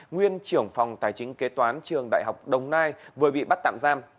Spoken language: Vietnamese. nguyên trưởng phòng tài chính kế toán trường đại học đồng nai vừa bị bắt tạm giam